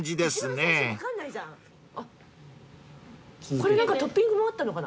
これ何かトッピングもあったのかな？